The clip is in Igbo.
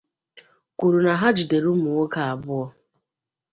kwuru na ha jidere ụmụ nwoke abụọ